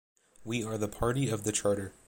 We are the party of the Charter.